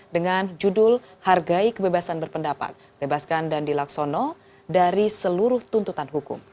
dengan judul hargai kebebasan berpendapat bebaskan dandi laksono dari seluruh tuntutan hukum